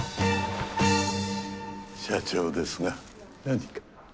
社長ですが何か？